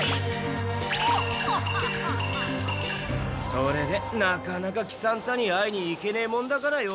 それでなかなか喜三太に会いに行けねえもんだからよ。